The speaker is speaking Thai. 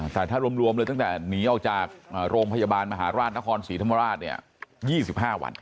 แต่ถ้ารวมเลยตั้งแต่หนีออกจากโรงพยาบาลมหาราชนครศรีธรรมราช๒๕วัน